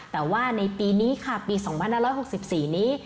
แต่ว่าในปีนี้ค่ะปี๒๕๖๔นี้